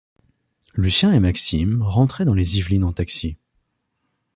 Lucien et Maxime rentraient dans les Yvelines en taxi.